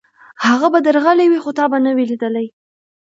هغه به درغلی وي، خو تا به نه وي لېدلی.